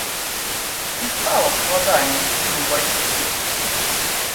Ці стала складаней туды ўвайсці?